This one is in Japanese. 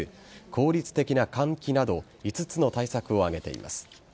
効率的な換気など５つの対策を挙げています。